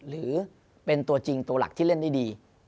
หรือเป็นตัวจริงตัวหลักที่เล่นได้ดี